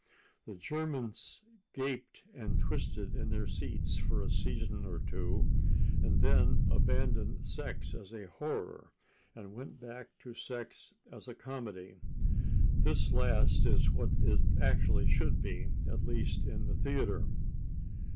The Germans gaped and twisted in their seats for a season or two, and then abandoned sex as a horror and went back to sex as a comedy. This last is what it actually should be, at least in the theater.